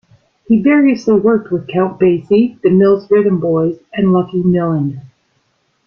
He variously worked with Count Basie, the Mills Rhythm Boys and Lucky Millinder.